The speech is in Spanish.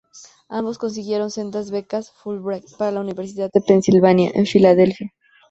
Ambos consiguieron sendas becas Fulbright para la Universidad de Pensilvania, en Filadelfia.